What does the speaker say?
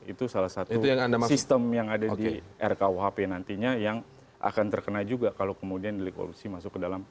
itu salah satu sistem yang ada di rkuhp nantinya yang akan terkena juga kalau kemudian delik korupsi masuk ke dalam